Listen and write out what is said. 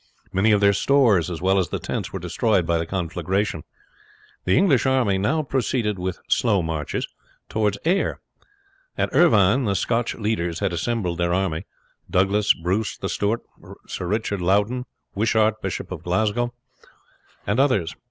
Many of their stores, as well as the tents, were destroyed by the conflagration. The English army now proceeded with slow marches towards Ayr. At Irvine the Scotch leaders had assembled their army Douglas, Bruce, The Steward, Sir Richard Loudon, Wishart, Bishop of Glasgow, and others.